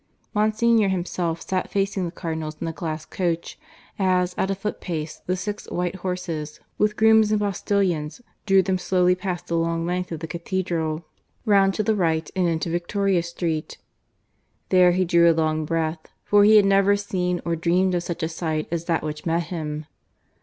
Monsignor himself sat facing the Cardinals in the glass coach, as at a foot pace the six white horses, with grooms and postillions, drew them slowly past the long length of the Cathedral, round to the right, and into Victoria Street. There he drew a long breath, for he had never seen or dreamed of such a sight as that which met him.